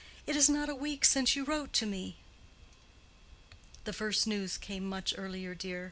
It is not a week since you wrote to me." "The first news came much earlier, dear.